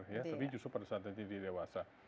tapi justru pada saat ini dia dewasa